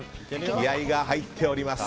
気合が入っております。